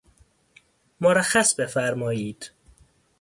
مرخص بفرمائید!